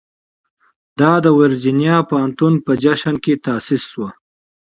دا د ورجینیا پوهنتون په جشن کې تاسیس شو.